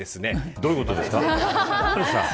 どういうことですか。